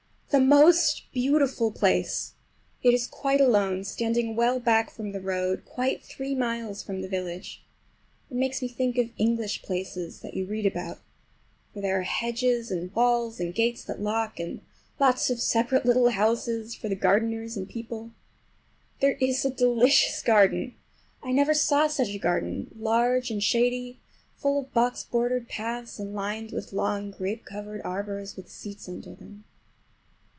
The most beautiful place! It is quite alone, standing well back from the road, quite three miles from the village. It makes me think of English places that you read about, for there are hedges and walls and gates that lock, and lots of separate little houses for the gardeners and people. There is a delicious garden! I never saw such a garden—large and shady, full of box bordered paths, and lined with long grape covered arbors with seats under them.